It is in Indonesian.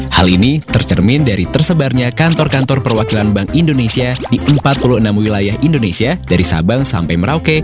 hal ini tercermin dari tersebarnya kantor kantor perwakilan bank indonesia di empat puluh enam wilayah indonesia dari sabang sampai merauke